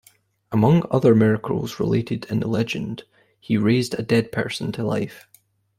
Among other miracles related in the legend he raised a dead person to life.